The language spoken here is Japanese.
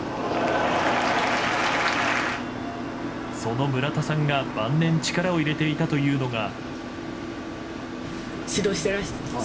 その村田さんが晩年力を入れていたというのが。